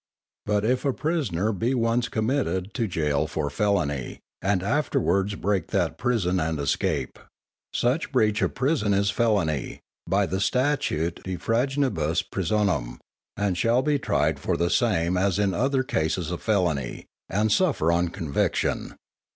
But if a prisoner be once committed to gaol for felony, and afterwards break that prison and escape, such breach of prison is felony, by the Statute_ De Frangentibus Prisonam, _and shall be tried for the same as in other cases of felony, and suffer on conviction.